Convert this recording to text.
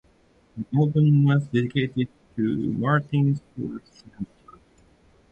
The album was dedicated to Martin Scorsese.